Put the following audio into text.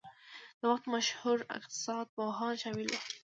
د وخت مشهور اقتصاد پوهان شامل وو.